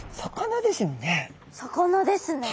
魚ですよね。